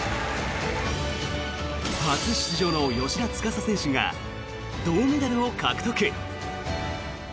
初出場の芳田司選手が銅メダルを獲得。